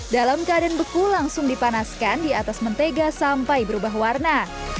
dalam keadaan beku langsung dipanaskan di atas mentega sampai berubah warna